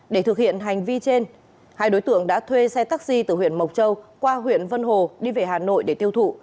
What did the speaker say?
để thực hiện hành vi trên hai đối tượng đã thuê xe taxi từ huyện mộc châu qua huyện vân hồ đi về hà nội để tiêu thụ